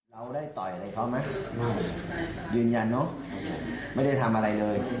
เราได้ต่อยอะไรเขาไหมไม่ยืนยันเนอะไม่ได้ทำอะไรเลย